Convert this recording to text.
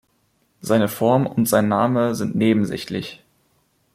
Seine Form und sein Name sind nebensächlich.